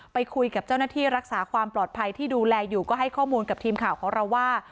ไปคุยกับเจ้าหน้าที่รักษาความปลอดภัยที่ดูแลอยู่ก็ให้ข้อมูลกับทีมข่าวของเราว่า